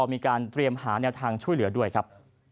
มีการเตรียมหาแนวทางช่วยเหลือด้วยครับ